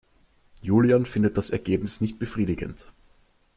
Julian findet das Ergebnis nicht befriedigend.